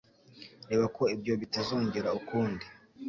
Reba ko ibyo bitazongera ukundi.